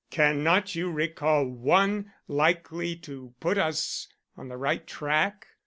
Cannot you recall one likely to put us on the right track?